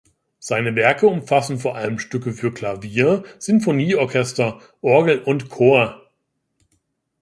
Seine Werke umfassen vor allem Stücke für Klavier, Sinfonieorchester, Orgel und Chor.